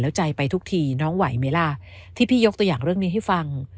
แล้วใจไปทุกทีน้องไหวไหมล่ะที่พี่ยกตัวอย่างเรื่องนี้ให้ฟัง